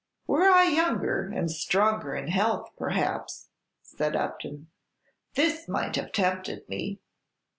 "Were I younger, and stronger in health, perhaps," said Upton, "this might have tempted me.